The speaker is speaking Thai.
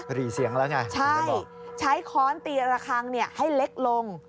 หรี่เสียงแล้วใช่ไหมผมได้บอกใช่ใช้ค้อนตีระคังให้เล็กลง